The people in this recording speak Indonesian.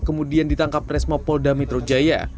kemudian ditangkap resmo polda metro jaya